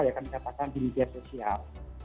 yang akan dikatakan di media sosial